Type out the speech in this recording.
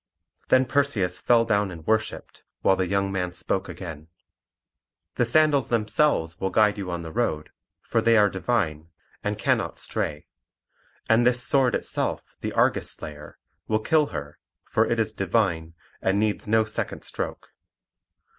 Then Perseus fell down and worshipped, while the young man spoke again: "The sandals themselves will guide you on the road, for they are divine and cannot stray; and this sword itself the Argus slayer, will kill her, for it is divine, and needs no second stroke.